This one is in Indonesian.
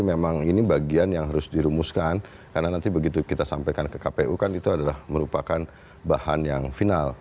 jadi memang ini bagian yang harus dirumuskan karena nanti begitu kita sampaikan ke kpu kan itu adalah merupakan bahan yang final